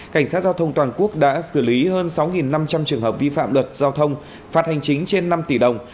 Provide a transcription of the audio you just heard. cảnh sát giao thông toàn quốc đã xử lý hơn sáu năm trăm linh trường hợp vi phạm luật giao thông phạt hành chính trên năm tỷ đồng